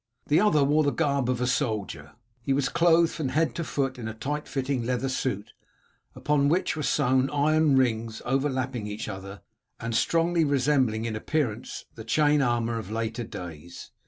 The other wore the garb of a soldier. He was clothed from head to foot in a tight fitting leather suit, upon which were sewn iron rings overlapping each other, and strongly resembling in appearance the chain armour of later days.